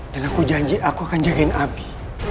dan aku janji aku akan jagain abi